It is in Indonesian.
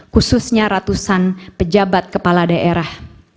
khususnya ratusan pejabat kepala daerah